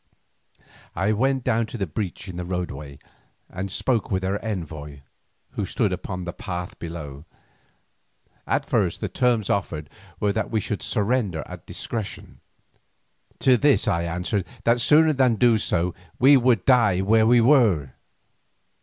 I went down to the breach in the roadway and spoke with their envoy, who stood upon the path below. At first the terms offered were that we should surrender at discretion. To this I answered that sooner than do so we would die where we were.